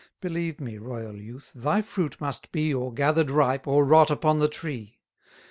Believe me, royal youth, thy fruit must be 250 Or gather'd ripe, or rot upon the tree.